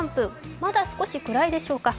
まだ少し暗いでしょうか。